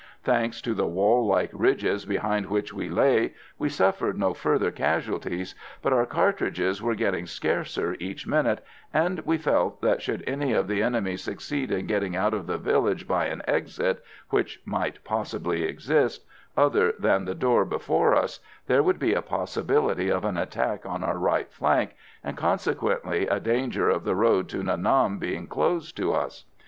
Thanks to the wall like ridges behind which we lay, we suffered no further casualties, but our cartridges were getting scarcer each minute, and we felt that should any of the enemy succeed in getting out of the village by an exit which might possibly exist other than the door before us, there would be a possibility of an attack on our right flank, and consequently a danger of the road to Nha Nam being closed to us.